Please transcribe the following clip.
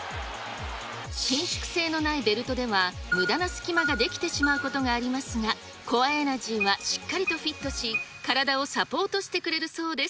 伸縮性のないベルトでは、むだな隙間が出来てしまうことがありますが、コアエナジーはしっかりとフィットし、体をサポートしてくれるそうです。